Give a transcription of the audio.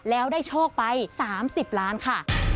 แล้วได้โชคไป๓๐ล้านค่ะ